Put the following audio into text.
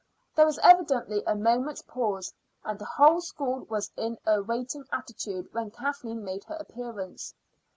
There was evidently a moment's pause, and the whole school was in a waiting attitude when Kathleen made her appearance.